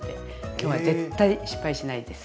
今日は絶対失敗しないです。